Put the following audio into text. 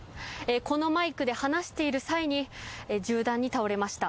このマイクで話している際に銃弾に倒れました。